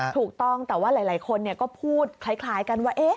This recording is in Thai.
ถูกต้องแต่ว่าหลายคนก็พูดคล้ายกันว่า